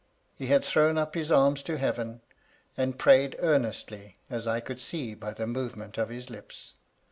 He had thrown up his arms to Heaven, and prayed MY LADY LUDLOW. . 109 earnestly, as I could see by the movement of his lips.